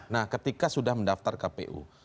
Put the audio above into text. nah ketika sudah mendaftar kpu